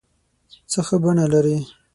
څه ښه بڼه لرې